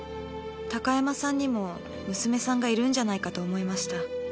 高山さんにも娘さんがいるんじゃないかと思いました。